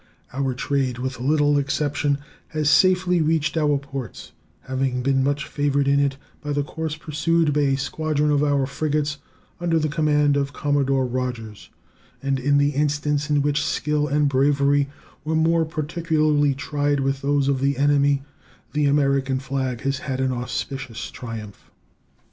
Our trade, with little exception, has safely reached our ports, having been much favored in it by the course pursued by a squadron of our frigates under the command of Commodore Rodgers, and in the instance in which skill and bravery were more particularly tried with those of the enemy the American flag had an auspicious triumph.